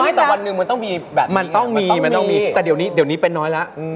ไม่แต่วันหนึ่งมันต้องมีแบบนี้มันต้องมีแต่เดี๋ยวนี้เป็นน้อยแล้ว